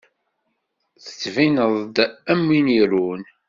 Tettbineḍ-d am win irun.